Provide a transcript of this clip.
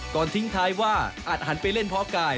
ทิ้งท้ายว่าอาจหันไปเล่นเพาะกาย